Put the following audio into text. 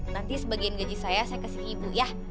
nanti sebagian gaji saya saya kesini ibu ya